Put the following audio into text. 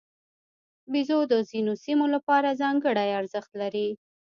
بیزو د ځینو سیمو لپاره ځانګړی ارزښت لري.